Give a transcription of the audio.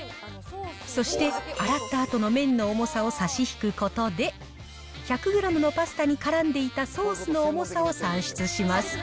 そして、洗ったあとの麺の重さを差し引くことで、１００グラムのパスタにからんでいたソースの重さを算出します。